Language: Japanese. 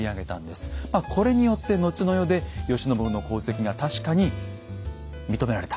これによって後の世で慶喜の功績が確かに認められた。